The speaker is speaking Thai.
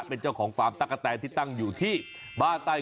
เป็นเจ้าของฟาร์มตั๊กกะแตนที่ตั้งอยู่ที่บ้านใต้